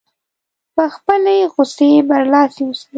په خپلې غوسې برلاسی اوسي.